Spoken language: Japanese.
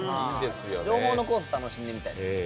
両方のコース、楽しんでみたいです。